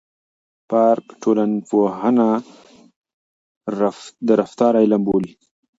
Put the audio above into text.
پارک ټولنپوهنه د رفتار علم بولي.